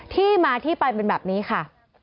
ที่มาที่ไปเป็นแบบนี้ค่ะ